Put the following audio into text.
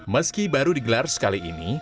meski baru digelar sekali ini